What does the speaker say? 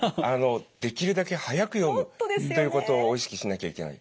できるだけ速く読むということを意識しなきゃいけない。